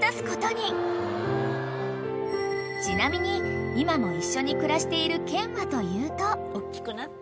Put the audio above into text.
［ちなみに今も一緒に暮らしているケンはというと］